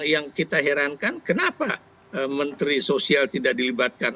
yang kita herankan kenapa menteri sosial tidak dilibatkan